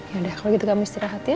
yaudah kalau gitu kamu istirahat ya